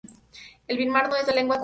El birmano es la lengua común.